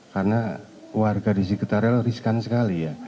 karena warga di sekitar rel riskan sekali ya